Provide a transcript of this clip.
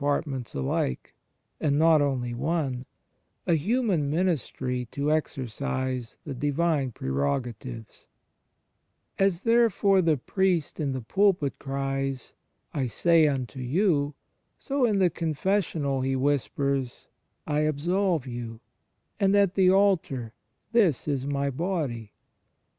CHRIST IN THE EXTERIOR ^l ments alike, and not only one, a human ministry to exercise the Divine Prerogatives, As, therefore, the priest in the pulpit cries, "I say unto you": so in the confessional he whispers "I absolve you," and at the altar "This is my Body."